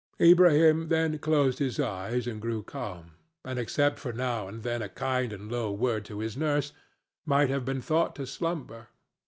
Ilbrahim then closed his eyes and grew calm, and, except for now and then a kind and low word to his nurse, might have been thought to slumber.